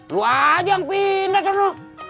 lo aja yang pindah sono